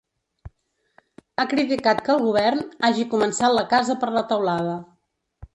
Ha criticat que el govern ‘hagi començat la casa per la teulada’.